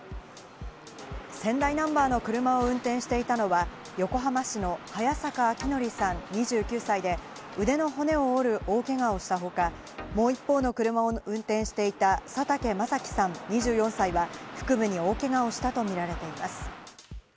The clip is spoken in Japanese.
仙台ナンバーの車を運転していたのは、横浜市の早坂覚啓さん、２９歳で腕の骨を折る大怪我をしたほか、もう一方の車を運転していた佐竹雅樹さん２４歳は、腹部に大怪我をしたとみられています。